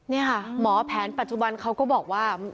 นี่ค่ะหมอแผนปัจจุบันเขาก็บอกว่า